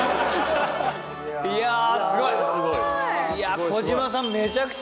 いやすごい。